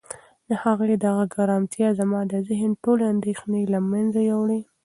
د هغې د غږ ارامتیا زما د ذهن ټولې اندېښنې له منځه یووړې.